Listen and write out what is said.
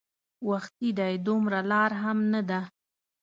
وختي دی دومره لار هم نه ده.